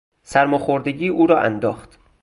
سرماخوردگی او را انداخت.